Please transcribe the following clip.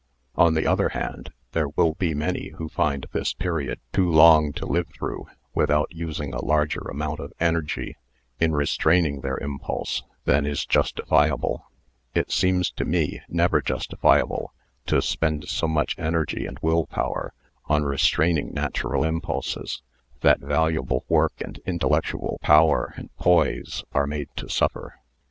On the other hand, there will be many who find this period too long to hve through without using a larger amount ot energy m restraining their impulse than is iustifi able It seems to me never justifiable to spend so much energy and will power on restraining natural impulses, that valuable work and intellectual power and poise are made to suffer.